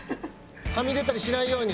はみ出たりしないように。